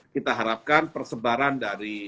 kita harapkan persebaran dan